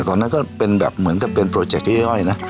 ตอนนั้นก็เป็นแบบเหมือนกับเป็นโปรเจคย่อยนะ